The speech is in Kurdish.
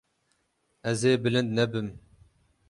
Ez ê bilind nebim.